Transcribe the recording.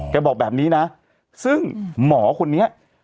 บอกแบบนี้นะซึ่งหมอคนนี้